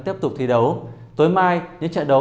tiếp tục thi đấu tối mai những trận đấu